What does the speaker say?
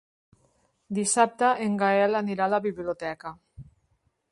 Dissabte en Gaël anirà a la biblioteca.